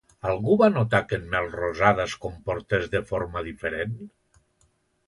Algú va notar que en Melrosada es comportés de forma diferent?